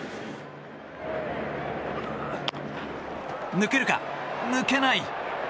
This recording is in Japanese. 抜けるか、抜けない。